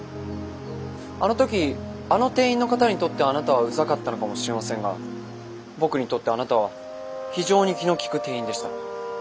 あの時あの店員の方にとってあなたはうざかったのかもしれませんが僕にとってあなたは非常に気の利く店員でした。